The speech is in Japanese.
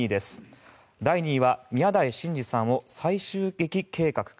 第２位は宮台真司さんを再襲撃計画か。